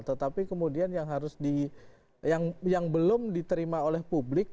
tetapi kemudian yang harus di yang belum diterima oleh publik